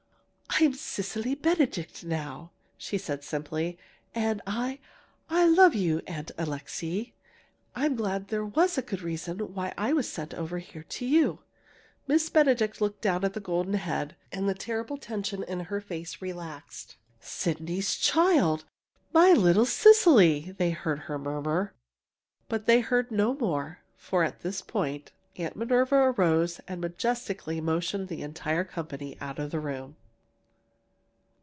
"I'm Cecily Benedict now," she said simply, "and I I love you Aunt Alixe! I'm glad there was a good reason why I was sent over here to you!" Miss Benedict looked down at the golden head, and the terrible tension in her face relaxed. "Sydney's child! my little Cecily!" they heard her murmur. But they heard no more, for at this point, Aunt Minerva arose and majestically motioned the entire company out of the room!